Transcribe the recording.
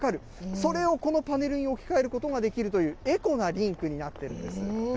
それをこのパネルに置き換えることができるという、エコなリンクになっているんです。